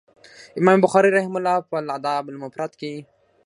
امام بخاري رحمه الله په الأدب المفرد کي